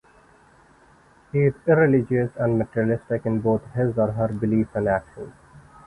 He is irreligious and materialistic in both his or her beliefs and actions.